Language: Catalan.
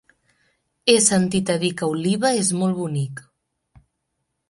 He sentit a dir que Oliva és molt bonic.